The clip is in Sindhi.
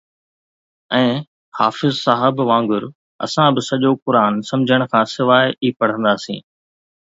۽ حافظ صاحب وانگر اسان به سڄو قرآن سمجھڻ کان سواءِ ئي پڙهنداسين